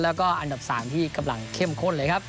แล้วก็อันดับ๓ที่กำลังเข้มข้นเลยครับ